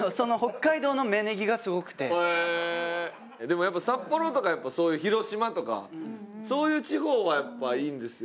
でもやっぱ札幌とか広島とかそういう地方はやっぱいいんですよ。